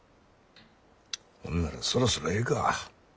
ほんならそろそろええか。